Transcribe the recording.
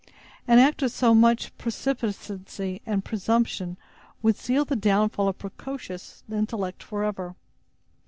An act of so much precipitancy and presumption would seal the downfall of precocious intellect forever.